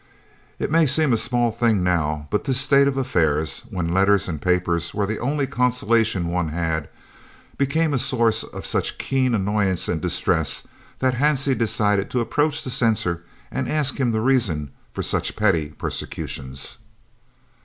It may seem a small thing now, but this state of affairs, when letters and papers were the only consolation one had, became a source of such keen annoyance and distress that Hansie decided to approach the censor and ask him the reason for such petty persecutions.